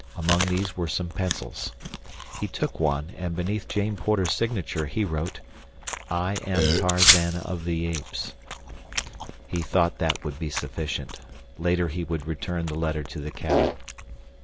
Among these were some pencils. He took one, and beneath Jane Porter's signature he wrote: I am Tarzan of the Apes He thought that would be sufficient. Later he would return the letter to the cabin.